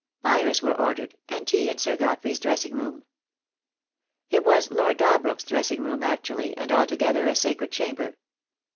Fires were ordered, and tea in Sir Godfrey's dressing room. It was Lord Dalbrook's dressing room actually, and altogether a sacred chamber.